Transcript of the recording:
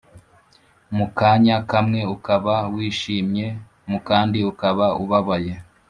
mu kanya kamwe ukaba wishimye mu kandi ukaba ubabaye